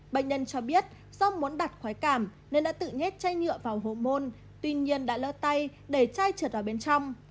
bệnh nhân cho biết do muốn đặt khoái cảm nên đã tự nhét chai nhựa vào hố môn tuy nhiên đã lơ tay để chai trượt vào bên trong